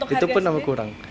itu pun nama kurang